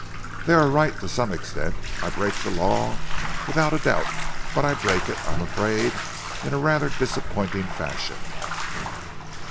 They are right to some extent. I break the law, without a doubt, but I break it, I am afraid, in rather a disappointing fashion."